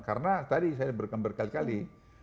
karena tadi saya berkambar kali kali